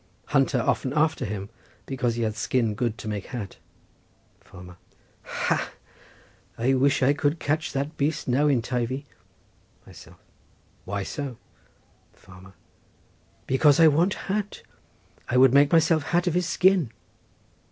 Hunter often after him, because he had skin good to make hat. Farmer.—Ha, I wish I could catch that beast now in Teivi. Myself.—Why so? Farmer.—Because I want hat. Would make myself hat of his skin.